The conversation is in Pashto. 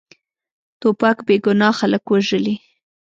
توپک بېګناه خلک وژلي.